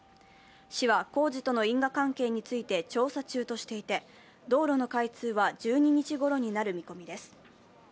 市は工事との因果関係について調査中としていて道路の開通は１２日頃になる見込みです。